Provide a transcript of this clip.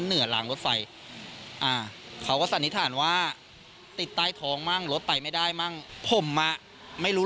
คืออันเนี้ยผมไม่ได้โทษหรอก